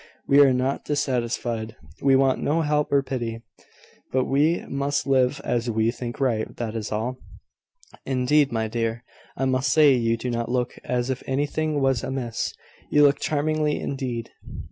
We are not dissatisfied: we want no help or pity: but we must live as we think right that is all." "Indeed, my dear, I must say you do not look as if anything was amiss. You look charmingly, indeed."